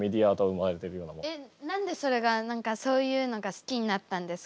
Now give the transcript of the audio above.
何でそれがそういうのが好きになったんですか？